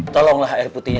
tolonglah air putihnya